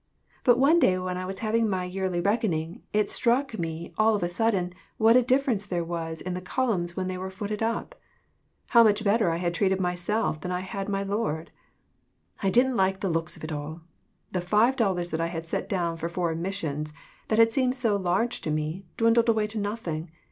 But one day when I was having my yearly reckoning, it struck me all of a sudden what a difference there was in the columns when they were footed up. How much better I had treated myself than I had my Lord! I didn't like the looks of it at all. The five dollars that I had set down for Foreign Missions, that had seemed so large to me, dwindled away to nothing.